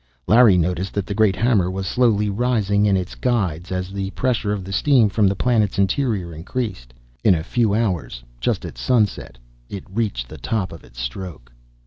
Larry noticed that the great hammer was slowly rising in its guides, as the pressure of the steam from the planet's interior increased. In a few hours just at sunset it reached the top of its stroke.